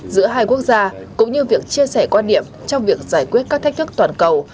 giữa hai quốc gia cũng như việc chia sẻ quan điểm trong việc giải quyết các thách thức toàn cầu